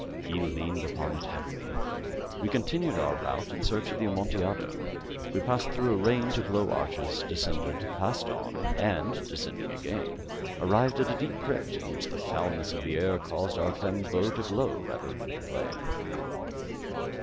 He leaned upon it heavily. We continued our route in search of the Amontillado. We passed through a range of low arches, descended, passed on, and descending again, arrived at a deep crypt, in which the foulness of the air caused our flambeaux rather to glow than flame.